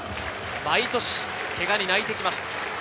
毎年けがに泣いてきました。